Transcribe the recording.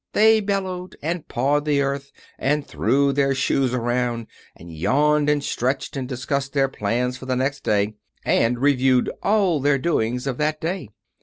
They bellowed, and pawed the earth, and threw their shoes around, and yawned, and stretched and discussed their plans for the next day, and reviewed all their doings of that day.